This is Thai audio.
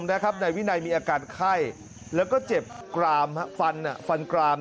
นายวินัยมีอาการไข้และเจ็บกรามฟัน